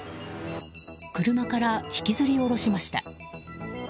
車から引きずり降ろしました。